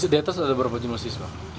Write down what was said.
di atas ada berapa jumlah siswa